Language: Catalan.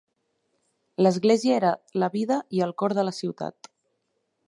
L'esglèsia era la vida i el cor de la ciutat.